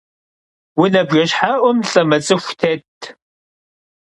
Vune bjjeşhe'um lh'ı mıts'ıxu têtt.